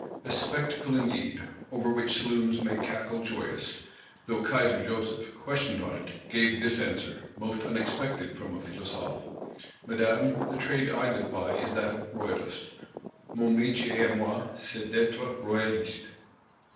A spectacle indeed; over which saloons may cackle joyous; though Kaiser Joseph, questioned on it, gave this answer, most unexpected from a Philosophe: 'Madame, the trade I live by is that of royalist (Mon métier à moi c'est d'être royaliste).